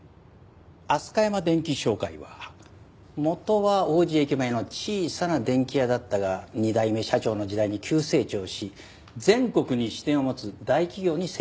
アスカヤマ電器商会は元は王子駅前の小さな電器屋だったが２代目社長の時代に急成長し全国に支店を持つ大企業に成長した。